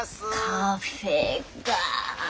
「カフェ」か。